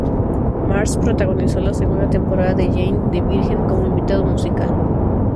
Mars protagonizó la segunda temporada de Jane the virgin como invitado musical.